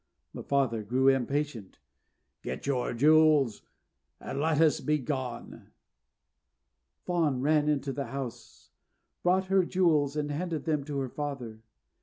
The father grew impatient. "Get your jewels and let us be gone!" Fawn ran into the house, brought her jewels, and handed them to her father.